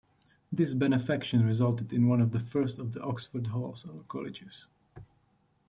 This benefaction resulted in one of the first of the Oxford halls or colleges.